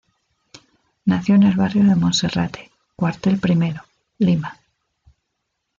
Nació en el Barrio de Monserrate, Cuartel Primero, Lima.